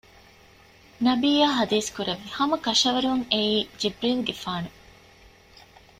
ނަބިއްޔާ ޙަދީޘް ކުރެއްވި ހަމަކަށަވަރުން އެއީ ޖިބްރީލުގެފާނު